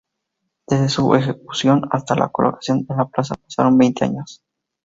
Desde su ejecución hasta la colocación en la plaza pasaron veinte años.